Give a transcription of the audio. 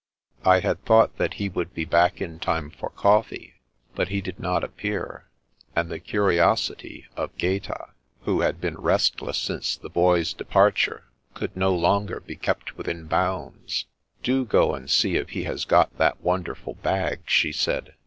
I had thought that he would be back in time for 192 The Princess Passes coffee, but he did not appear, and the cunosity of Gaeta, who had been restless since the Bo/s de parture, could no longer be kept within bounds. " Do go and see if he has got that wonderful bag," she said.